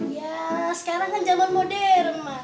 ya sekarang kan zaman modern